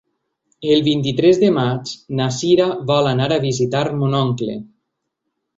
El vint-i-tres de maig na Sira vol anar a visitar mon oncle.